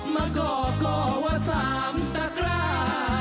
มะกอกก็ว่าสามตะกรา